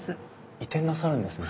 移転なさるんですね。